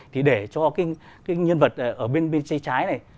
thì để cho cái nhân vật ở bên xây trái này